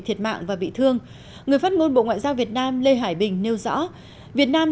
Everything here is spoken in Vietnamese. thiệt mạng và bị thương người phát ngôn bộ ngoại giao việt nam lê hải bình nêu rõ việt nam